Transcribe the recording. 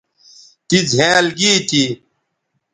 تی زھینئل گی تھی